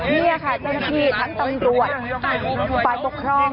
นี่ค่ะเจ้าหน้าที่ทั้งตำรวจฝ่ายปกครอง